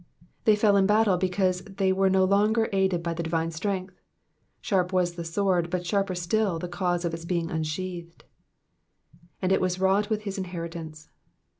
'*'* They fell in battle because they were no longer aided by the divine strength. Sharp was the sword, but sharper still the cause of its being unsheathed. ^^And was wroth with his inheritance.